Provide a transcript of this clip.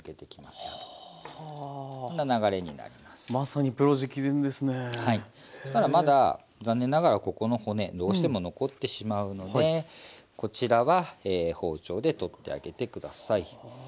そしたらまだ残念ながらここの骨どうしても残ってしまうのでこちらは包丁で取ってあげて下さい。